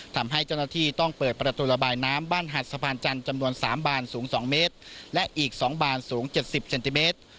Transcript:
ทำให้เจ้าหน้าที่ต้องเปิดประตูระบายน้ำบ้านหัดสะพานจันทร์จำนวน๓บานสูง๒เมตรและอีก๒บานสูง๗๐เซนติเมตร